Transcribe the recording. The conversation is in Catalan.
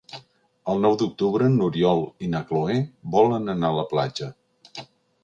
El nou d'octubre n'Oriol i na Cloè volen anar a la platja.